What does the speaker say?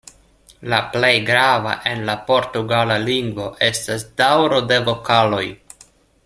La plej grava en la portugala lingvo estas daŭro de vokaloj.